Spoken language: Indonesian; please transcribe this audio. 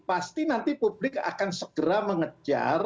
pasti nanti publik akan segera mengejar